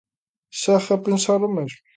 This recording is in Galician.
Segue a pensar o mesmo?